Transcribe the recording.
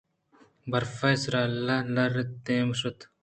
برف ءِ سر ءَ لترت ءُدیم ءَ شت